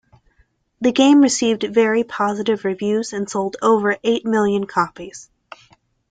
The game received very positive reviews and sold over eight million copies.